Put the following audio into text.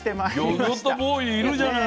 魚魚っとボーイいるじゃない。